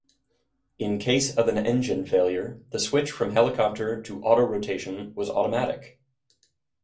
In case of an engine failure, the switch from helicopter to autorotation was automatic.